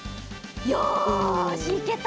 よしいけた！